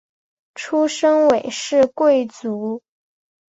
出身韦氏贵族。